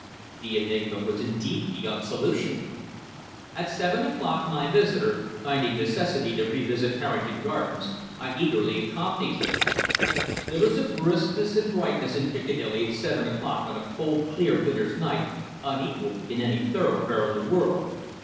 The enigma was indeed beyond solution. At seven o'clock my visitor, finding necessity to revisit Harrington Gardens, I eagerly accompanied him. There is a briskness and brightness in Piccadilly at seven o'clock on a clear, cold, winter's night unequalled in any thoroughfare in the world.